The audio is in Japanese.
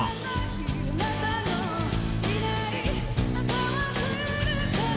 「あなたのいない朝は来るから」